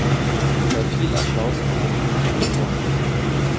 Bei viel Applaus verneigten sich alle vor mir.